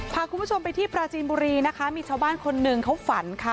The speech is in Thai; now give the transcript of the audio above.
พาคุณผู้ชมไปที่ปราจีนบุรีนะคะมีชาวบ้านคนหนึ่งเขาฝันค่ะ